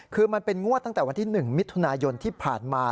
คือมันเป็นงวดตั้งแต่วันที่๑มิถุนายนที่ผ่านมา